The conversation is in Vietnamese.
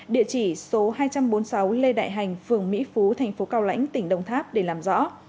địa chỉ số hai trăm bốn mươi sáu lê đại hành phường mỹ phú thành phố cao lãnh tỉnh đồng tháp để làm rõ